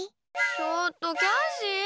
ちょっと、キャシー！